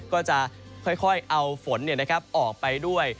ก็จะค่อยเอาฝนเนี่ยนะครับออกไปด้วย